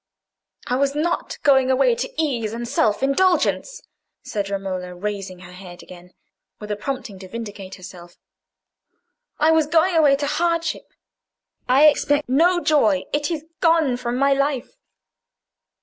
"I was not going away to ease and self indulgence," said Romola, raising her head again, with a prompting to vindicate herself. "I was going away to hardship. I expect no joy: it is gone from my life."